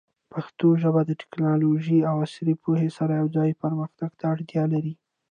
پښتو ژبه د ټیکنالوژۍ او عصري پوهې سره یوځای پرمختګ ته اړتیا لري.